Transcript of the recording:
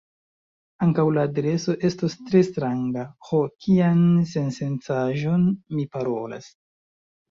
Ankaŭ la adreso estos tre stranga: Ho, kian sensencaĵon mi parolas!